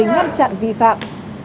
kịp thời ngăn chặn vi phạm